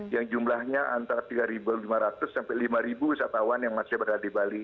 yang jumlahnya antara tiga lima ratus sampai lima wisatawan yang masih berada di bali